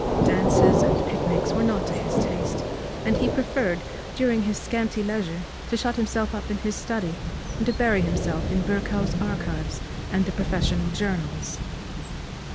Dances and picnics were not to his taste, and he preferred during his scanty leisure to shut himself up in his study, and to bury himself in Virchow's Archives and the professional journals.